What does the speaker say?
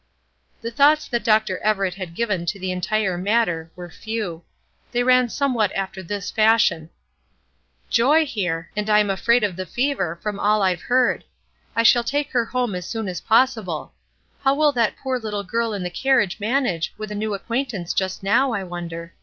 The thoughts that Dr. Everett had given to the entire matter were few. They ran somewhat after this fashion: "Joy here! and I'm afraid of the fever, from all I have heard. I shall take her home as soon as possible. How will that poor little girl in the carriage manage with a new acquaintance just now, I wonder?